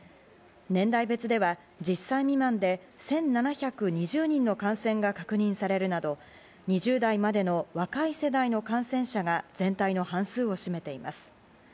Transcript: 年代別では１０歳未満で１７２０人の感染が確認されるなど２０代までの若い世代の感染者が全体の半数を占めています。